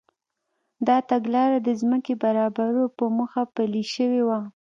دا تګلاره د ځمکې برابرولو په موخه پلي شوې وه.